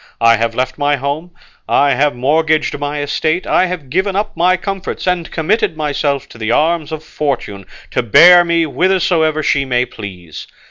I have left my home, I have mortgaged my estate, I have given up my comforts, and committed myself to the arms of Fortune, to bear me whithersoever she may please.